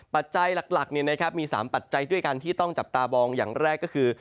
ปัจจัยหลักมี๓ปัจจัยด้วยกันที่ต้องจับตามองอย่างแรกก็คือ